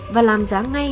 và làm giá ngay